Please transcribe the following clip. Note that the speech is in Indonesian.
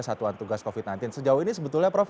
satuan tugas covid sembilan belas sejauh ini sebetulnya prof